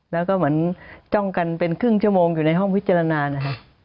แล้วก็เหมือนจ้องกันเป็นครึ่งชั่วโมงอยู่ในห้องพิจารณานะครับ